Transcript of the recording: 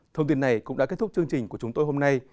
thông tin này cũng đã kết thúc chương trình của chúng tôi hôm nay